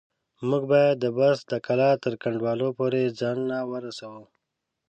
موږ بايد د بست د کلا تر کنډوالو پورې ځانونه ورسوو.